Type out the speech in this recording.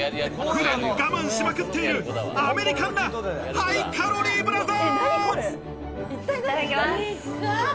普段、我慢しまくっているアメリカンなハイカロリーブラザーズ。